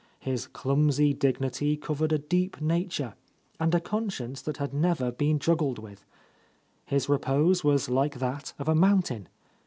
His clumsy dignity covered a deep nature, and a conscience that had never been juggled with. His repose was like that of a mountain.